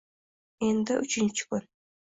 Endi uchinchi kun